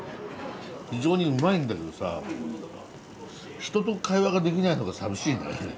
非常にうまいんだけどさ人と会話ができないのが寂しいね。